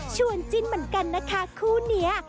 วนจิ้นเหมือนกันนะคะคู่นี้